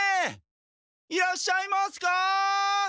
いらっしゃいますか？